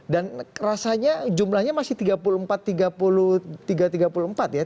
dan rasanya jumlahnya masih tiga puluh empat tiga puluh empat ya